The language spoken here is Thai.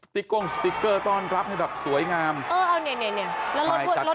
ตริกก้องสติกเกอร์ต้อนรับให้แบบสวยงามเออเอาไงเนี้ย